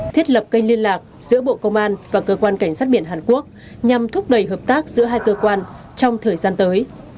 thiết lập kênh liên lạc giữa bộ công an và cơ quan cảnh sát biển hàn quốc nhằm thúc đẩy hợp tác giữa hai cơ quan trong thời gian tới